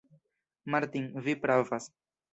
Martin, vi pravas!